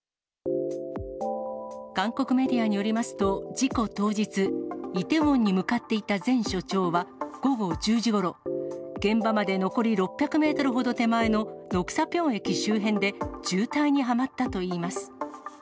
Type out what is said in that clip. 韓国メディアによりますと、事故当日、イテウォンに向かっていた前署長は午後１０時ごろ、現場まで残り６００メートルほど手前のノクサピョン駅周辺で渋滞にはまったといいます。